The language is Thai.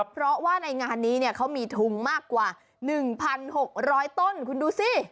เพราะว่าในงานนี้เขามีทุงมากกว่า๑๖๐๐ต้นคุณดูสิ